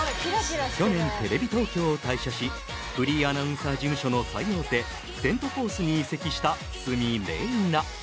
去年テレビ東京を退社しフリーアナウンサー事務所の最大手セント・フォースに移籍した鷲見玲奈。